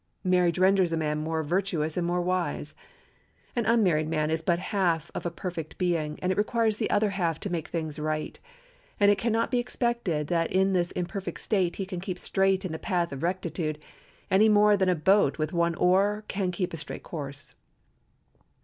Marriage renders a man more virtuous and more wise. An unmarried man is but half of a perfect being, and it requires the other half to make things right; and it can not be expected that in this imperfect state he can keep straight in the path of rectitude any more than that a boat with one oar can keep a straight course.